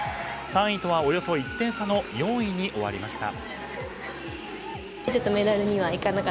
３位とはおよそ１点差の４位に終わりました。